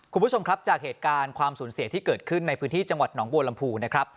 คุณผู้ชมครับจากเหตุการณ์ความสูญเสียที่เกิดขึ้นในพื้นที่จังหวัดหนองบัวลำพูนะครับ